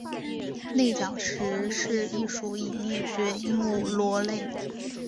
内角石是一属已灭绝的鹦鹉螺类。